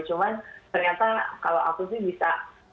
cuman ternyata kalau aku sih bisa